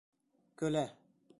Көлә: